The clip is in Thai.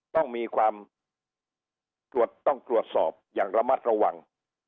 ต้องมีความต้องตรวจสอบอย่างระมัดระวัง